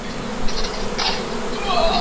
چاویل چي چوروندک د وازګو ډک دی